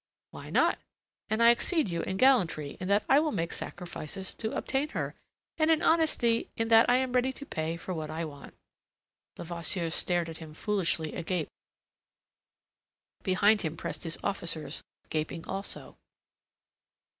"Why not? And I exceed you in gallantry in that I will make sacrifices to obtain her, and in honesty in that I am ready to pay for what I want." Levasseur stared at him foolishly agape. Behind him pressed his officers, gaping also.